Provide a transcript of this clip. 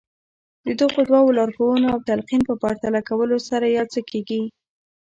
د دغو دوو لارښوونو او تلقين په پرتله کولو سره يو څه کېږي.